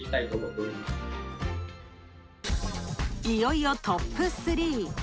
いよいよトップスリー。